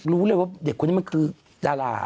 รู้เลยว่าเด็กคนนี้มันคือดารา